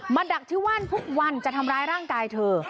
ดักที่ว่านทุกวันจะทำร้ายร่างกายเธอ